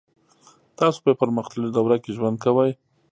تاسو په یوه پرمختللې دوره کې ژوند کوئ